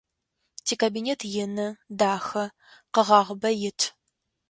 Тикабинет ины, дахэ, къэгъагъыбэ ит.